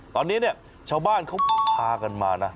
ตอนนี้เนี่ยชาวบ้านเขาพากันมานะ